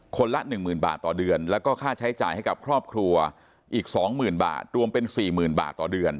ละ๑๐๐๐บาทต่อเดือนแล้วก็ค่าใช้จ่ายให้กับครอบครัวอีก๒๐๐๐บาทรวมเป็น๔๐๐๐บาทต่อเดือน